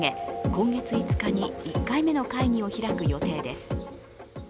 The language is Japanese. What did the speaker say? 今月５日に、１回目の会議を開く予定です。